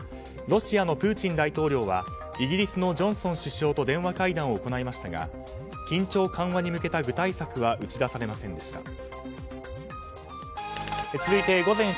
ロシアのプーチン大統領はイギリスのジョンソン首相と電話会談を行いましたが緊張緩和に向けた具体策は打ち出されませんでした。